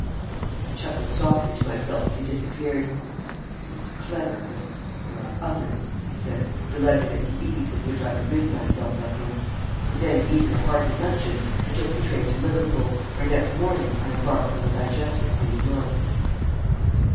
I chuckled softly to myself as he disappeared. "He's clever, but there are others," I said, delighted at the ease with which I had rid myself of him; and then eating a hearty luncheon, I took the train to Liverpool, where next morning I embarked on the Digestic for New York.